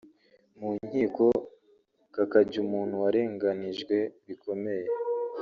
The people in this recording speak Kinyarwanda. mu nkiko kakajya umuntu warenganijwe bikomeye